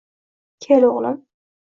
Kel, oʻgʻlim.